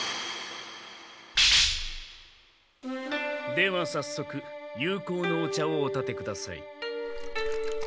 ではさっそく友好のお茶をおたてください。